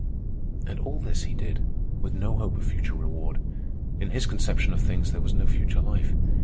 And all this he did with no hope of future reward. In his conception of things there was no future life.